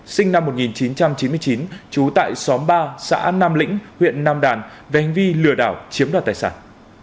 sinh năm một nghìn chín trăm chín mươi chín trú tại xóm ba xã nam lĩnh huyện nam đàn về hành vi lừa đảo chiếm đoạt tài sản